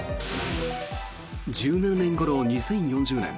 １７年後の２０４０年。